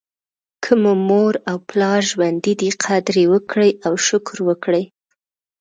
که مو مور او پلار ژوندي دي قدر یې وکړئ او شکر وکړئ.